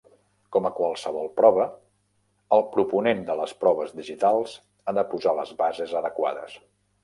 Com amb qualsevol prova, el proponent de les proves digitals ha de posar les bases adequades.